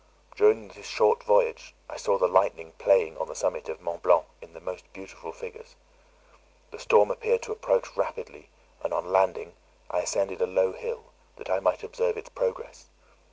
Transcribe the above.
During this short voyage I saw the lightning playing on the summit of Mont Blanc in the most beautiful figures. The storm appeared to approach rapidly, and, on landing, I ascended a low hill, that I might observe its progress.